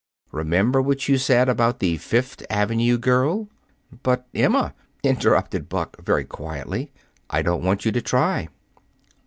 Remember what you said about the Fifth Avenue girl?" "But, Emma," interrupted Buck very quietly, "I don't want you to try."